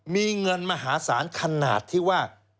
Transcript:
มีเงินมหาศาลขนาดที่ว่า